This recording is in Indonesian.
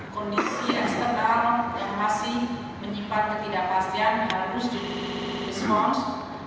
kondisi eksternal yang masih menyimpan ketidakpastian harus di response